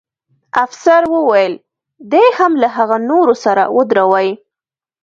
افسر وویل: دی هم له هغه نورو سره ودروئ.